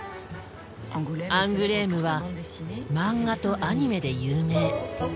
アングレームはマンガとアニメで有名。